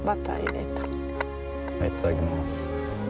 いただきます。